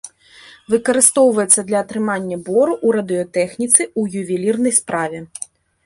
Выкарыстоўваецца для атрымання бору, у радыётэхніцы, у ювелірнай справе.